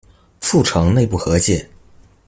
促成內部和解